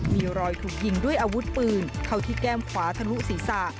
มีรอยถูกยิงด้วยอาวุธปืนเข้าที่แก้มขวาทะลุศีรษะ